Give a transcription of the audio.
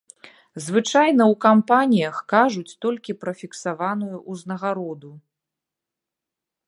Звычайна ў кампаніях кажуць толькі пра фіксаваную ўзнагароду.